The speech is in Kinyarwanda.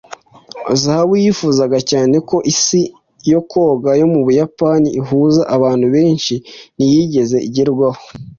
'Zahabu' yifuzaga cyane ko isi yo koga yo mu Buyapani ihuza abantu benshi ntiyigeze igerwaho.